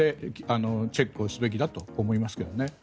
チェックをすべきだと思いますけどね。